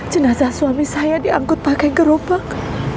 jenazah suami saya diangkut pakai gerobak